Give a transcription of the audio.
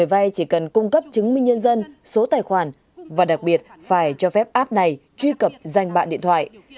vậy cần cung cấp chứng minh nhân dân số tài khoản và đặc biệt phải cho phép app này truy cập danh bạn điện thoại